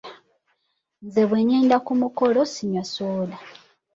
Nze bwe ngenda ku mukolo sinywa soda.